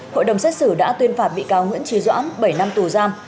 hội đồng xét xử đã tuyên phạt bị cáo nguyễn trí doãn bảy năm tù giam